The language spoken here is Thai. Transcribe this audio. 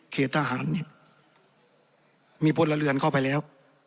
เขตทหารมีพลเรือนเข้าไปแล้ว